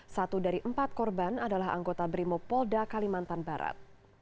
satu dari empat korban adalah anggota brimopolda kalimantan barat